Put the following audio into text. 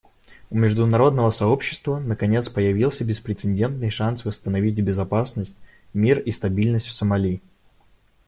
У международного сообщества, наконец, появился беспрецедентный шанс восстановить безопасность, мир и стабильность в Сомали.